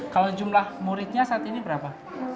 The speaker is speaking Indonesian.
kalau jumlah muridnya saat ini berapa